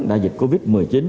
đại dịch covid một mươi chín